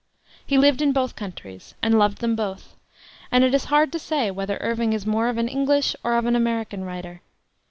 He lived in both countries, and loved them both; and it is hard to say whether Irving is more of an English or of an American writer.